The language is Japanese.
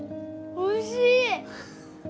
おいしい。